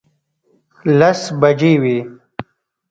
لس بجې وې.